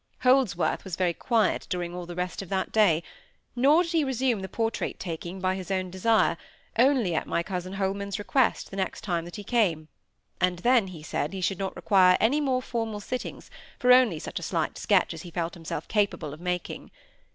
Holdsworth was very quiet during all the rest of that day; nor did he resume the portrait taking by his own desire, only at my cousin Holman's request the next time that he came; and then he said he should not require any more formal sittings for only such a slight sketch as he felt himself capable of making.